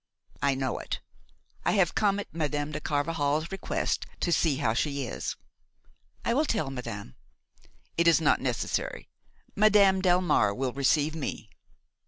"I know it. I have come at Madame de Carvajal's request to see how she is." "I will tell madame." "It is not necessary. Madame Delmare will receive me."